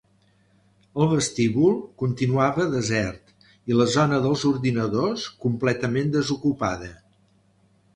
El vestíbul continuava desert, i la zona dels ordinadors, completament desocupada.